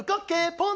ポン！